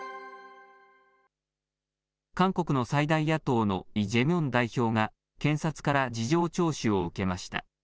韓国の最大野党のイ・ジェミョン代表が検察から事情聴取を受けました。